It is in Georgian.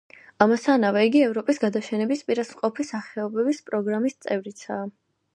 ამასთანავე, იგი ევროპის გადაშენების პირას მყოფი სახეობების პროგრამის წევრიცაა.